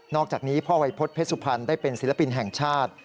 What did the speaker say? อกจากนี้พ่อวัยพฤษเพชรสุพรรณได้เป็นศิลปินแห่งชาติ